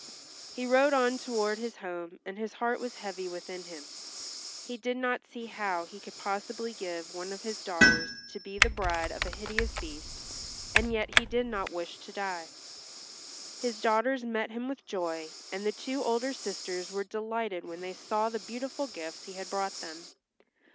He rode on toward his home and his heart was heavy within him. He did not see how he could possibly give one of his daughters to be the bride of a hideous beast and yet he did not wish to die. His daughters met him with joy, and the two older sisters were delighted when they saw the beautiful gifts he had brought them.